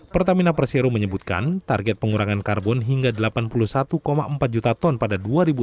pertamina persero menyebutkan target pengurangan karbon hingga delapan puluh satu empat juta ton pada dua ribu dua puluh